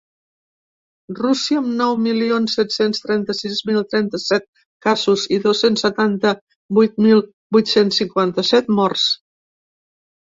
Rússia, amb nou milions set-cents trenta-sis mil trenta-set casos i dos-cents setanta-vuit mil vuit-cents cinquanta-set morts.